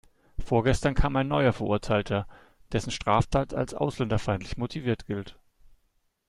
Vorgestern kam ein neuer Verurteilter, dessen Straftat als ausländerfeindlich motiviert gilt.